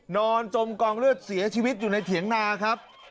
นอนจมกองเลือดเสียชีวิตอยู่ในเถียงนาครับ